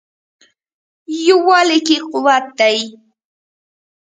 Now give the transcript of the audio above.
یووالي کې قوت دی.